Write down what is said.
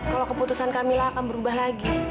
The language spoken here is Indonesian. kalau keputusan kamilah akan berubah lagi